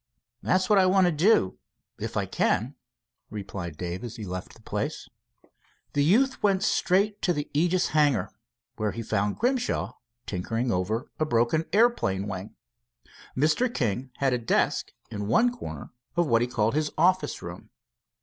"That's what I want to do, if I can," replied Dave, as he left the place. The youth went straight to the Aegis hangar, where he found Grimshaw tinkering over a broken airplane wing. Mr. King had a desk in one corner of what he called his office room.